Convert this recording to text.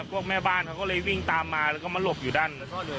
พวกแม่บ้านเขาก็เลยวิ่งตามมาแล้วก็มาหลบอยู่ด้าน